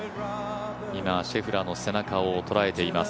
今、シェフラーの背中を捉えています。